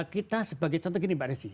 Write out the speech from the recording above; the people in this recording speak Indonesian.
kita sebagai contoh gini mbak desi